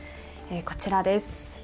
こちらです。